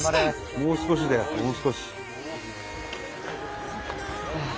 もう少しだよもう少し。